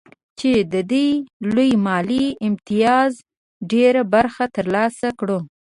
چې د دې لوی مالي امتياز ډېره برخه ترلاسه کړو